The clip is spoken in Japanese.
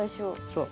そう。